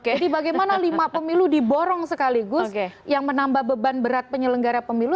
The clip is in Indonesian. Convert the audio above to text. jadi bagaimana lima pemilu diborong sekaligus yang menambah beban berat penyelenggara pemilu